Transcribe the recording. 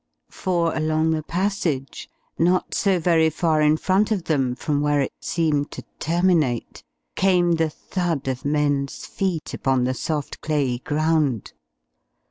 For along the passage not so very far in front of them, from where it seemed to terminate came the thud of men's feet upon the soft clayey ground.